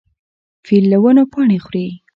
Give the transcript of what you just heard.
فیل له ونو پاڼې خوري.